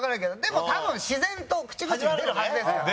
でも多分自然と口々に出るはずですから。